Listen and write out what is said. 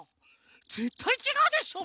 ぜったいちがうでしょ！